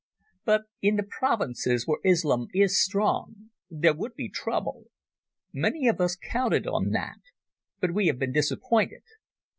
But in the provinces, where Islam is strong, there would be trouble. Many of us counted on that. But we have been disappointed.